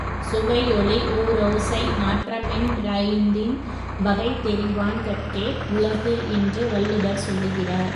சுவையொளி யூறோசை நாற்றமென் றைந்தின் வகைதெரிவான் கட்டே யுலகு என்று வள்ளுவர் சொல்லுகிறார்.